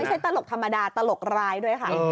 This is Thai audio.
ไม่ใช่ตลกธรรมดาตลกร้ายด้วยค่ะ